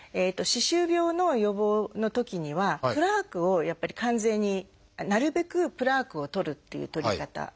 歯周病の予防のときにはプラークをやっぱり完全になるべくプラークを取るっていう取り方があるんですね。